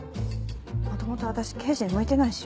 もともとわたし刑事に向いてないし。